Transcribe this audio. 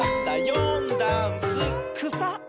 「よんだんす」「くさ」！